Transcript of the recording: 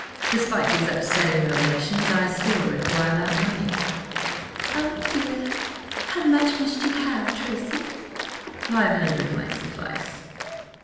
Despite these upsetting revelations, I still require that money." "Oh, dear! How much must you have, Tracy?" "Five hundred might suffice."